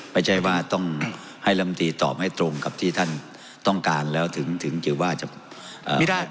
ไม่ใช่ว่าต้องให้ลำตีตอบให้ตรงกับที่ท่านต้องการแล้วถึงจะว่าจะ